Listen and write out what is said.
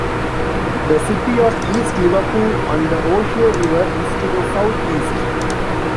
The city of East Liverpool on the Ohio River is to the southeast.